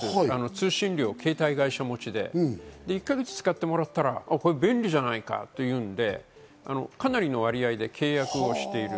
通信料は携帯会社持ちで、１か月使ってもらったら、これは便利じゃないかっていうので、かなりの割合で契約をしている。